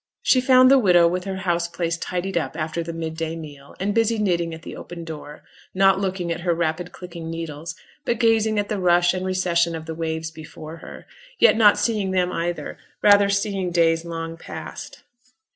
She found the widow with her house place tidied up after the midday meal, and busy knitting at the open door not looking at her rapid clicking needles, but gazing at the rush and recession of the waves before her; yet not seeing them either, rather seeing days long past.